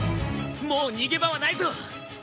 もう逃げ場はないぞ。